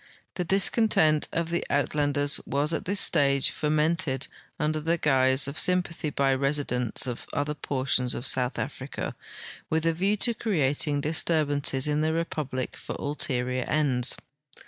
The discontent of the Uitlanders was at this stage fomented under the guise of sym pathy by residents of other portions of South Africa with a view to creating disturbances in the republic for ulterior ends.